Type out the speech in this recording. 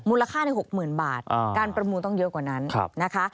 มูลค่าได้๖๐๐๐๐บาทการประมูลต้องเยอะกว่านั้นนะคะ